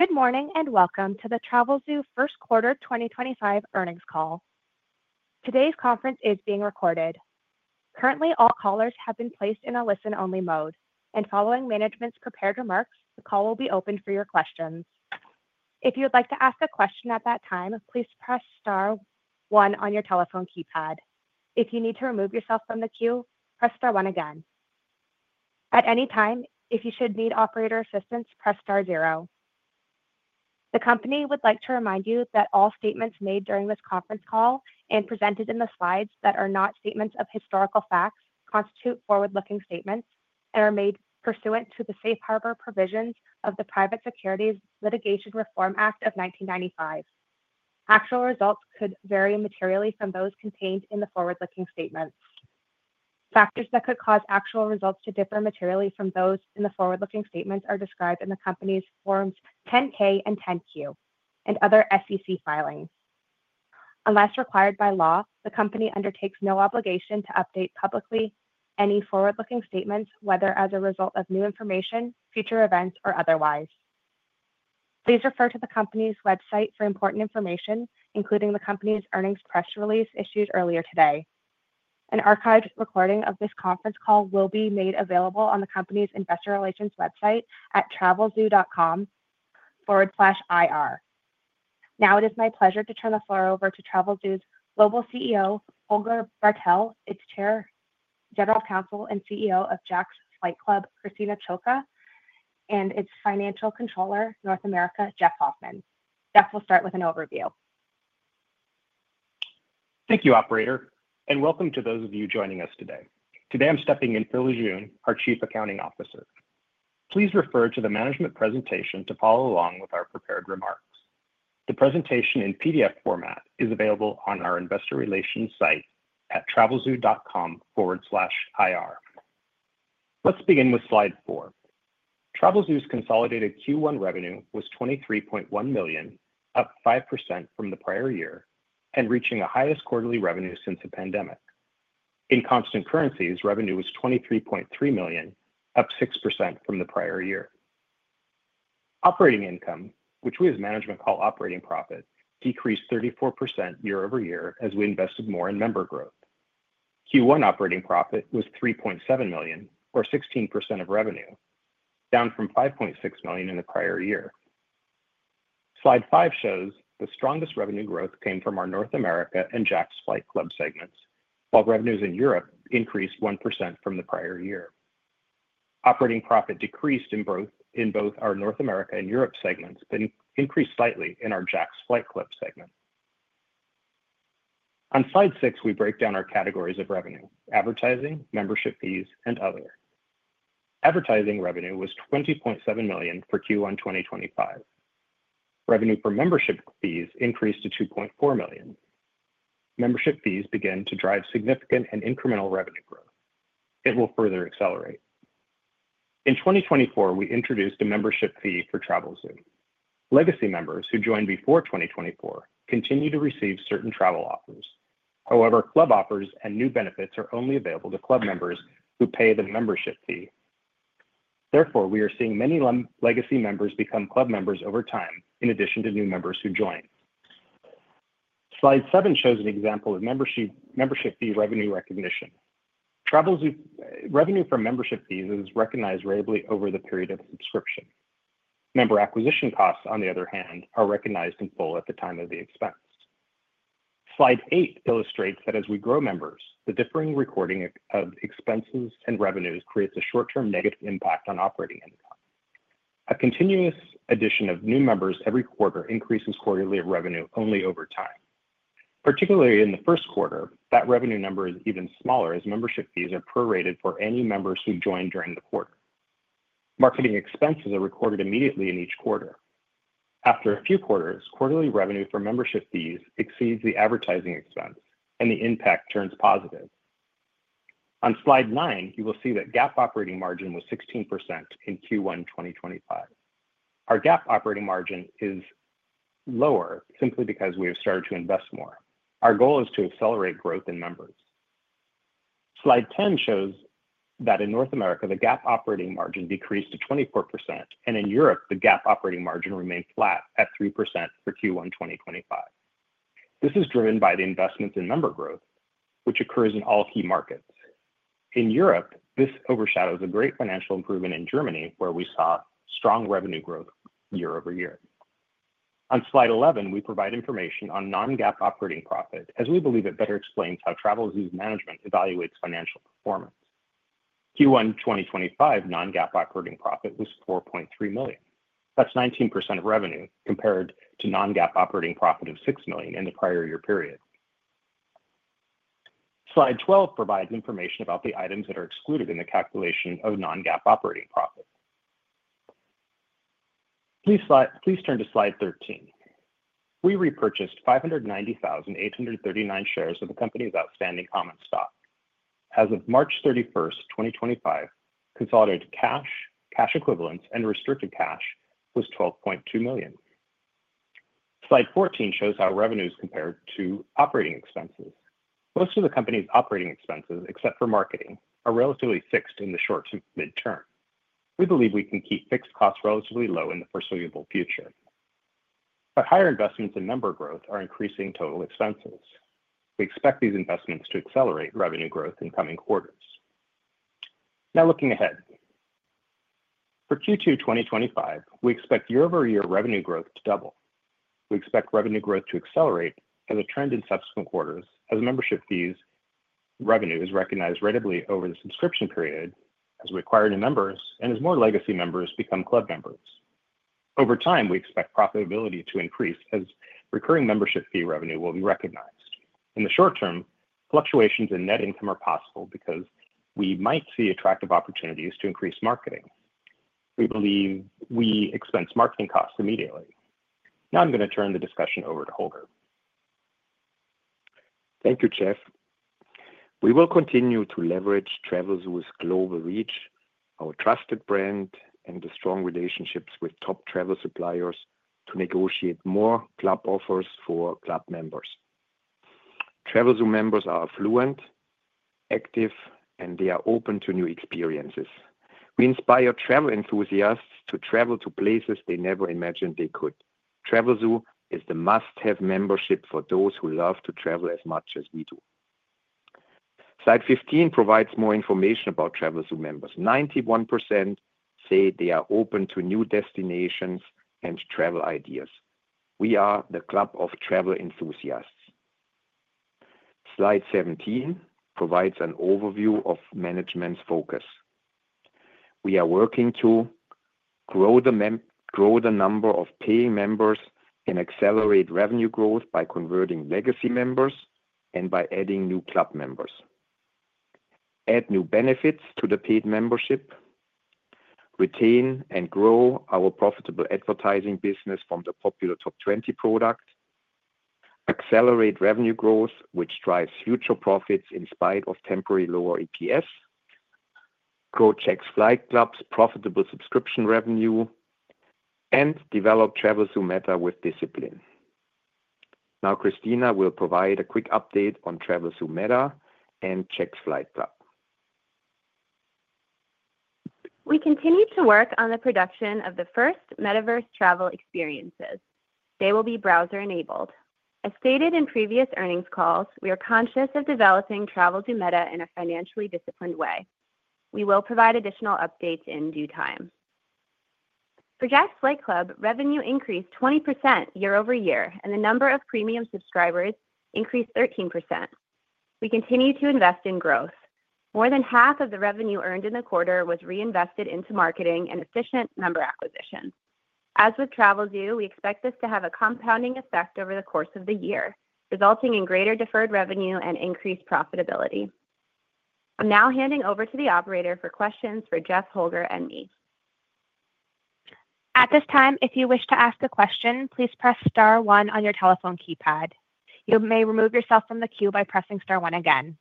Good morning and welcome to the Travelzoo Q1 2025 Earnings Call. Today's conference is being recorded. Currently, all callers have been placed in a listen-only mode, and following management's prepared remarks, the call will be open for your questions. If you would like to ask a question at that time, please press star one on your telephone keypad. If you need to remove yourself from the queue, press star one again. At any time, if you should need operator assistance, press star zero. The company would like to remind you that all statements made during this conference call and presented in the slides that are not statements of historical facts constitute forward-looking statements and are made pursuant to the safe harbor provisions of the Private Securities Litigation Reform Act of 1995. Actual results could vary materially from those contained in the forward-looking statements. Factors that could cause actual results to differ materially from those in the forward-looking statements are described in the company's Forms 10-K and 10-Q and other SEC filings. Unless required by law, the company undertakes no obligation to update publicly any forward-looking statements, whether as a result of new information, future events, or otherwise. Please refer to the company's website for important information, including the company's earnings press release issued earlier today. An archived recording of this conference call will be made available on the company's investor relations website at travelzoo.com/ir. Now, it is my pleasure to turn the floor over to Travelzoo's Global CEO, Holger Bartel, its Chair, General Counsel, and CEO of Jack's Flight Club, Christina Ciocca, and its Financial Controller, North America, Jeff Hoffman. Jeff will start with an overview. Thank you, Operator, and welcome to those of you joining us today. Today, I'm stepping in for Lijun, Our Chief Accounting Officer. Please refer to the management presentation to follow along with our prepared remarks. The presentation in PDF format is available on our investor relations site at travelzoo.com/ir. Let's begin with Slide four. Travelzoo's consolidated Q1 revenue was $23.1 million, up 5% from the prior year, and reaching a highest quarterly revenue since the pandemic. In constant currencies, revenue was $23.3 million, up 6% from the prior year. Operating income, which we as management call operating profit, decreased 34% year-over-year as we invested more in member growth. Q1 operating profit was $3.7 million, or 16% of revenue, down from $5.6 million in the prior year. Slide five shows the strongest revenue growth came from our North America and Jack's Flight Club segments, while revenues in Europe increased 1% from the prior year. Operating profit decreased in both our North America and Europe segments, but increased slightly in our Jack's Flight Club segment. On Slide six, we break down our categories of revenue: advertising, membership fees, and other. Advertising revenue was $20.7 million for Q1 2025. Revenue for membership fees increased to $2.4 million. Membership fees begin to drive significant and incremental revenue growth. It will further accelerate. In 2024, we introduced a membership fee for Travelzoo. Legacy members who joined before 2024 continue to receive certain travel offers. However, club offers and new benefits are only available to club members who pay the membership fee. Therefore, we are seeing many legacy members become club members over time, in addition to new members who join. Slide seven shows an example of membership fee revenue recognition. Revenue from membership fees is recognized ratably over the period of subscription. Member acquisition costs, on the other hand, are recognized in full at the time of the expense. Slide eight illustrates that as we grow members, the differing recording of expenses and revenues creates a short-term negative impact on operating income. A continuous addition of new members every quarter increases quarterly revenue only over time. Particularly in the Q1, that revenue number is even smaller as membership fees are prorated for any members who join during the quarter. Marketing expenses are recorded immediately in each quarter. After a few quarters, quarterly revenue for membership fees exceeds the advertising expense, and the impact turns positive. On Slide nine, you will see that GAAP operating margin was 16% in Q1 2025. Our GAAP operating margin is lower simply because we have started to invest more. Our goal is to accelerate growth in members. Slide 10 shows that in North America, the GAAP operating margin decreased to 24%, and in Europe, the GAAP operating margin remained flat at 3% for Q1 2025. This is driven by the investments in member growth, which occurs in all key markets. In Europe, this overshadows a great financial improvement in Germany, where we saw strong revenue growth year-over-year. On Slide 11, we provide information on non-GAAP operating profit, as we believe it better explains how Travelzoo's management evaluates financial performance. Q1 2025 non-GAAP operating profit was $4.3 million. That's 19% of revenue compared to non-GAAP operating profit of $6 million in the prior year period. Slide 12 provides information about the items that are excluded in the calculation of non-GAAP operating profit. Please turn to Slide 13. We repurchased 590,839 shares of the company's outstanding common stock. As of 31 March 2025, consolidated cash, cash equivalents, and restricted cash was $12.2 million. Slide 14 shows how revenues compared to operating expenses. Most of the company's operating expenses, except for marketing, are relatively fixed in the short to midterm. We believe we can keep fixed costs relatively low in the foreseeable future. Higher investments in member growth are increasing total expenses. We expect these investments to accelerate revenue growth in coming quarters. Now, looking ahead. For Q2 2025, we expect year-over-year revenue growth to double. We expect revenue growth to accelerate as a trend in subsequent quarters, as membership fees revenue is recognized ratably over the subscription period, as we acquire new members and as more legacy members become club members. Over time, we expect profitability to increase as recurring membership fee revenue will be recognized. In the short term, fluctuations in net income are possible because we might see attractive opportunities to increase marketing. We believe we expense marketing costs immediately. Now, I'm going to turn the discussion over to Holger. Thank you, Jeff. We will continue to leverage Travelzoo's global reach, our trusted brand, and the strong relationships with top travel suppliers to negotiate more club offers for club members. Travelzoo members are affluent, active, and they are open to new experiences. We inspire travel enthusiasts to travel to places they never imagined they could. Travelzoo is the must-have membership for those who love to travel as much as we do. Slide 15 provides more information about Travelzoo members. 91% say they are open to new destinations and travel ideas. We are the club of travel enthusiasts. Slide 17 provides an overview of management's focus. We are working to grow the number of paying members and accelerate revenue growth by converting legacy members and by adding new club members. Add new benefits to the paid membership, retain and grow our profitable advertising business from the popular Top 20 product, accelerate revenue growth, which drives future profits in spite of temporary lower EPS, grow Jack's Flight Club's profitable subscription revenue, and develop Travelzoo META with discipline. Now, Christina will provide a quick update on Travelzoo META and Jack's Flight Club. We continue to work on the production of the first metaverse travel experiences. They will be browser-enabled. As stated in previous earnings calls, we are conscious of developing Travelzoo META in a financially disciplined way. We will provide additional updates in due time. For Jack's Flight Club, revenue increased 20% year-over-year, and the number of premium subscribers increased 13%. We continue to invest in growth. More than half of the revenue earned in the quarter was reinvested into marketing and efficient member acquisition. As with Travelzoo, we expect this to have a compounding effect over the course of the year, resulting in greater deferred revenue and increased profitability. I'm now handing over to the operator for questions for Jeff, Holger, and me. At this time, if you wish to ask a question, please press star one on your telephone keypad. You may remove yourself from the queue by pressing star one again.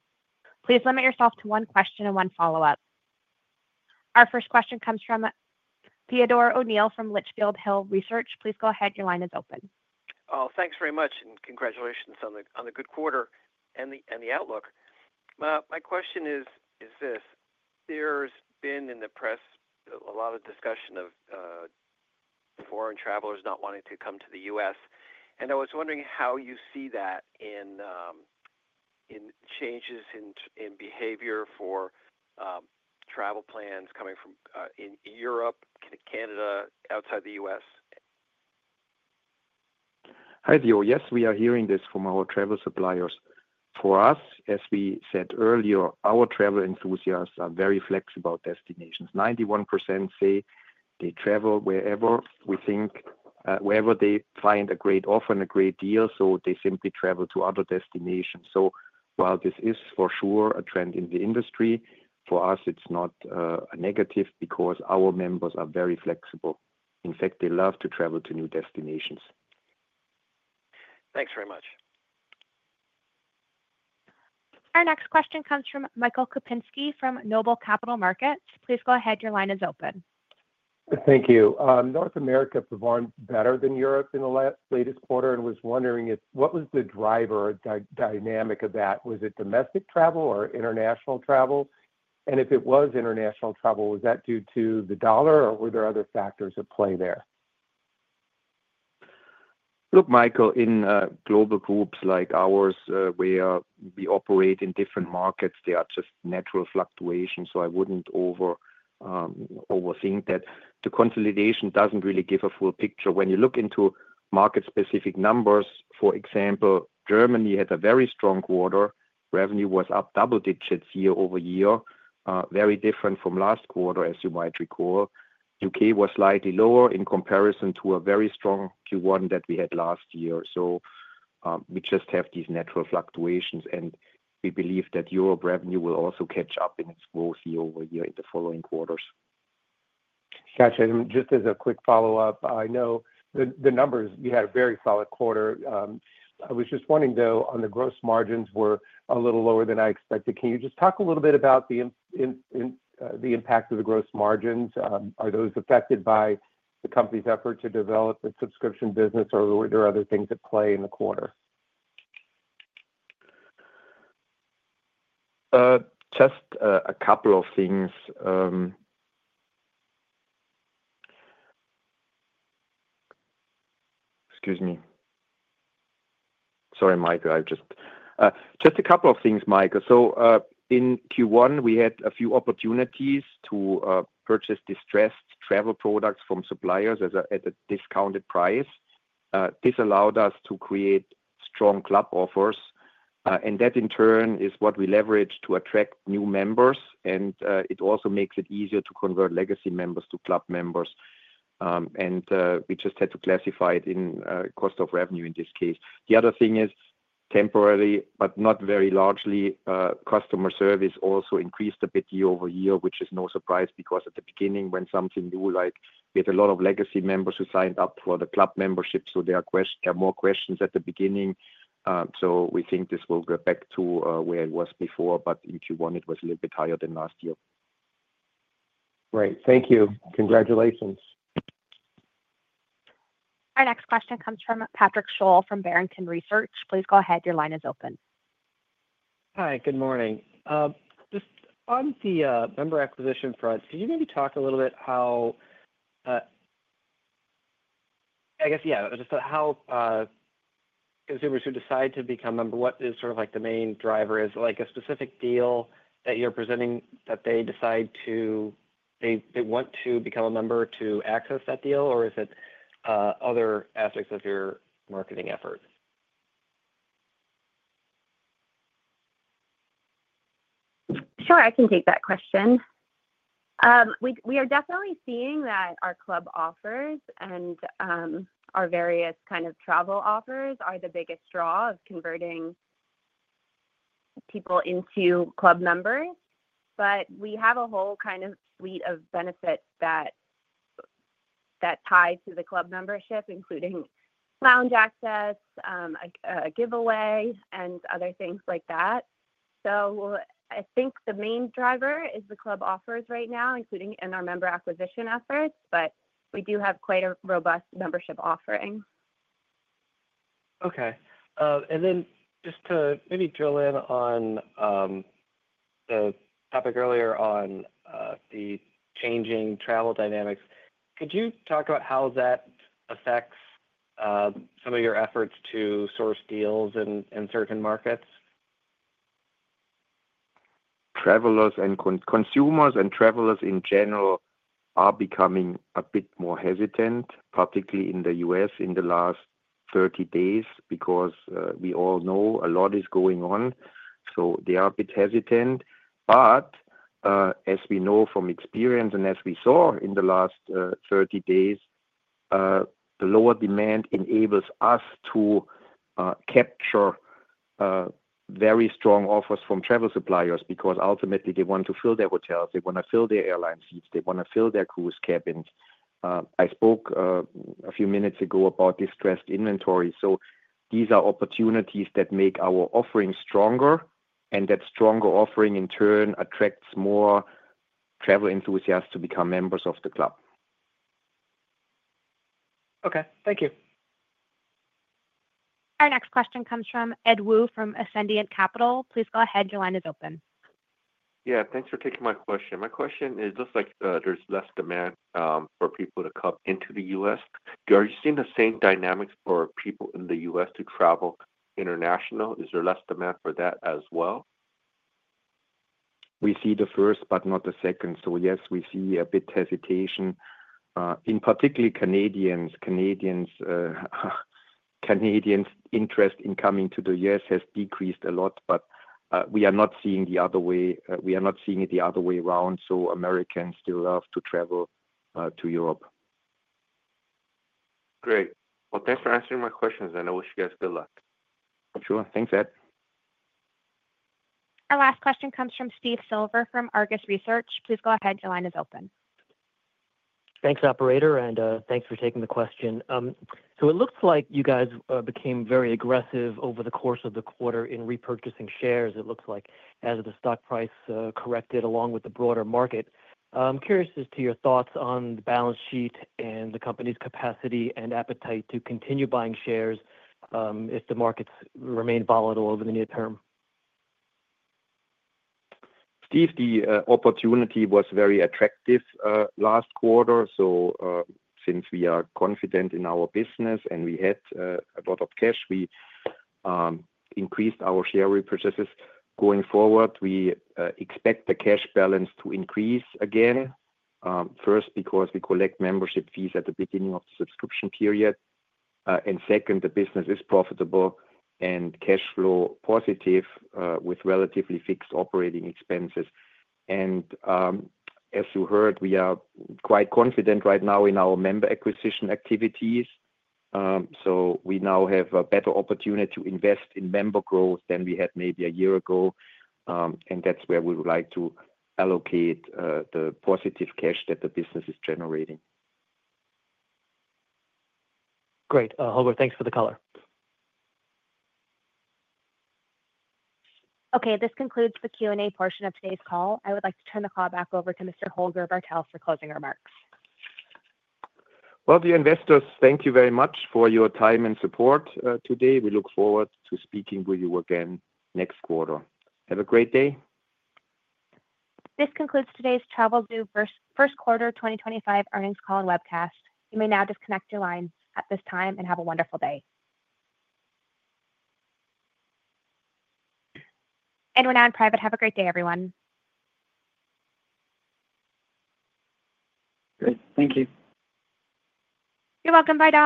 Please limit yourself to one question and one follow-up. Our first question comes from Theodore O'Neill from Litchfield Hills Research. Please go ahead. Your line is open. Oh, thanks very much, and congratulations on the good quarter and the outlook. My question is this: there's been in the press a lot of discussion of foreign travelers not wanting to come to the US, I was wondering how you see that in changes in behavior for travel plans coming from Europe, Canada, outside the US Hi Theo. Yes, we are hearing this from our travel suppliers. For us, as we said earlier, our travel enthusiasts are very flexible destinations. 91% say they travel wherever they find a great offer and a great deal, so they simply travel to other destinations. While this is for sure a trend in the industry, for us, it's not a negative because our members are very flexible. In fact, they love to travel to new destinations. Thanks very much. Our next question comes from Michael Kupinski from NOBLE Capital Markets. Please go ahead. Your line is open. Thank you. North America performed better than Europe in the latest quarter and was wondering what was the driver dynamic of that? Was it domestic travel or international travel? If it was international travel, was that due to the dollar, or were there other factors at play there? Look, Michael, in global groups like ours, where we operate in different markets, there are just natural fluctuations, so I wouldn't overthink that. The consolidation doesn't really give a full picture. When you look into market-specific numbers, for example, Germany had a very strong quarter. Revenue was up double digits year-over-year, very different from last quarter, as you might recall. UK was slightly lower in comparison to a very strong Q1 that we had last year. We just have these natural fluctuations, and we believe that Europe revenue will also catch up in its growth year-over-year in the following quarters. Gotcha. Just as a quick follow-up, I know the numbers, you had a very solid quarter. I was just wondering, though, on the gross margins were a little lower than I expected. Can you just talk a little bit about the impact of the gross margins? Are those affected by the company's effort to develop its subscription business, or were there other things at play in the quarter? Just a couple of things. Excuse me. Sorry, Michael. Just a couple of things, Michael. In Q1, we had a few opportunities to purchase distressed travel products from suppliers at a discounted price. This allowed us to create strong club offers, and that, in turn, is what we leverage to attract new members, and it also makes it easier to convert legacy members to club members. We just had to classify it in cost of revenue in this case. The other thing is temporary, but not very largely, customer service also increased a bit year-over-year, which is no surprise because at the beginning, when something new, like we had a lot of legacy members who signed up for the club membership, so there are more questions at the beginning. We think this will go back to where it was before, but in Q1, it was a little bit higher than last year. Great. Thank you. Congratulations. Our next question comes from Patrick Sholl from Barrington Research. Please go ahead. Your line is open. Hi. Good morning. Just on the member acquisition front, could you maybe talk a little bit how, I guess, yeah, just how consumers who decide to become a member, what is sort of like the main driver? Is it like a specific deal that you're presenting that they decide to, they want to become a member to access that deal, or is it other aspects of your marketing effort? Sure. I can take that question. We are definitely seeing that our club offers and our various kind of travel offers are the biggest draw of converting people into club members. We have a whole kind of suite of benefits that tie to the club membership, including lounge access, a giveaway, and other things like that. I think the main driver is the club offers right now, including in our member acquisition efforts, but we do have quite a robust membership offering. Okay. Just to maybe drill in on the topic earlier on the changing travel dynamics, could you talk about how that affects some of your efforts to source deals in certain markets? Travelers and consumers and travelers in general are becoming a bit more hesitant, particularly in the US in the last 30 days because we all know a lot is going on. They are a bit hesitant. As we know from experience and as we saw in the last 30 days, the lower demand enables us to capture very strong offers from travel suppliers because ultimately they want to fill their hotels. They want to fill their airline seats. They want to fill their cruise cabins. I spoke a few minutes ago about distressed inventory. These are opportunities that make our offering stronger, and that stronger offering, in turn, attracts more travel enthusiasts to become members of the club. Okay. Thank you. Our next question comes from Ed Woo from Ascendiant Capital. Please go ahead. Your line is open. Yeah. Thanks for taking my question. My question is just like there's less demand for people to come into the US. Are you seeing the same dynamics for people in the US to travel international? Is there less demand for that as well? We see the first, but not the second. Yes, we see a bit hesitation, in particular Canadians. Canadians' interest in coming to the US has decreased a lot, but we are not seeing the other way. We are not seeing it the other way around. Americans still love to travel to Europe. Great. Thanks for answering my questions, and I wish you guys good luck. Sure. Thanks, Ed. Our last question comes from Steve Silver from Argus Research. Please go ahead. Your line is open. Thanks, operator, and thanks for taking the question. It looks like you guys became very aggressive over the course of the quarter in repurchasing shares, it looks like, as the stock price corrected along with the broader market. I'm curious as to your thoughts on the balance sheet and the company's capacity and appetite to continue buying shares if the markets remain volatile over the near term. Steve, the opportunity was very attractive last quarter. Since we are confident in our business and we had a lot of cash, we increased our share repurchases. Going forward, we expect the cash balance to increase again, first because we collect membership fees at the beginning of the subscription period, and second, the business is profitable and cash flow positive with relatively fixed operating expenses. As you heard, we are quite confident right now in our member acquisition activities. We now have a better opportunity to invest in member growth than we had maybe a year ago, and that's where we would like to allocate the positive cash that the business is generating. Great. Holger, thanks for the color. Okay. This concludes the Q&A portion of today's call. I would like to turn the call back over to Mr. Holger Bartel for closing remarks. Dear investors, thank you very much for your time and support today. We look forward to speaking with you again next quarter. Have a great day. This concludes today's Travelzoo Q1 2025 Earnings Call and Webcast. You may now disconnect your line at this time and have a wonderful day. We're now on private. Have a great day, everyone. Great. Thank you. You're welcome. Bye-bye.